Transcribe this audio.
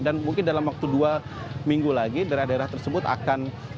dan mungkin dalam waktu dua minggu lagi daerah daerah tersebut akan